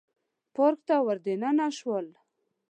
پارک ته ور دننه شولو.